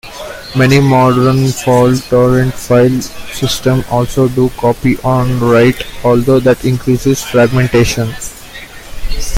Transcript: Many modern fault-tolerant file systems also do copy-on-write, although that increases fragmentation.